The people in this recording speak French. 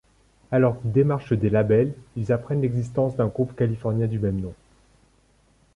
Alors qu'ils démarchent des labels, ils apprennent l’existence d'un groupe californien du même nom.